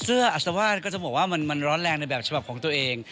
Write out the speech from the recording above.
อัศวาสก็จะบอกว่ามันร้อนแรงในแบบฉบับของตัวเอง